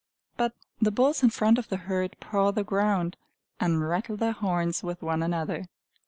But the bulls in front of the herd paw the ground, and rattle their horns with one another.